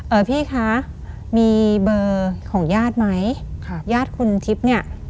พี่คะมีเบอร์ของญาติไหมครับญาติคุณทิพย์เนี่ย